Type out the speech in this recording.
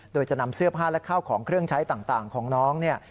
โดยจะนำเสื้อผ้าและข้าวของเครื่องใช้ต่างของน้องเนี่ย